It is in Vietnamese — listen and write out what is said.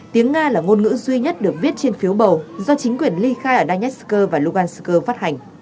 tiếng nga là ngôn ngữ duy nhất được viết trên phiếu bầu do chính quyền ly khai ở danessk và lugansk phát hành